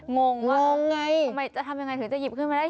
งงว่าทำยังไงถึงจะหยิบขึ้นมาได้